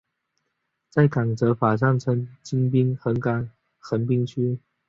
在港则法上称为京滨港横滨区。